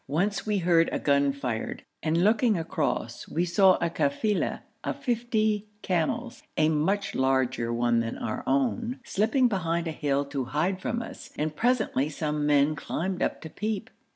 Once we heard a gun fired, and looking across, we saw a kafila of fifty camels, a much larger one than our own, slipping behind a hill to hide from us, and presently some men climbed up to peep.